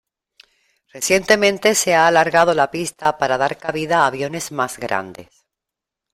Recientemente se ha alargado la pista para dar cabida a aviones más grandes.